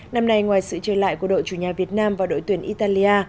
năm nay ngoài sự trở lại của đội chủ nhà việt nam và đội tuyển italia